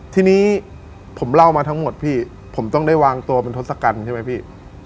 ทีนี้ผมเล่ามาทั้งหมดพี่ผมต้องได้วางตัวเป็นทศกัณฐ์ใช่ไหมพี่